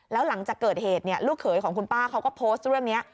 แล้วหลังจากเกิดเหตุลูกเขยของคุณป้าเขาก็โพสต์เรื่องนี้